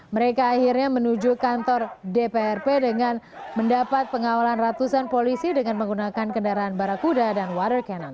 mereka akhirnya menuju kantor dprp dengan mendapat pengawalan ratusan polisi dengan menggunakan kendaraan barakuda dan water cannon